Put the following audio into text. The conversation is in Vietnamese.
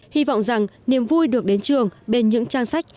hy vọng rằng niềm vui được đến trường bên những trang sách